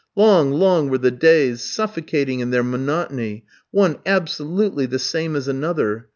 Long, long were the days, suffocating in their monotony, one absolutely the same as another.